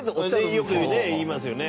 山崎：よくね、言いますよね。